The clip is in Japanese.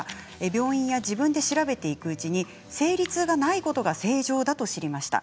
病院や自分で調べていくうちに生理痛がないことが正常だと知りました。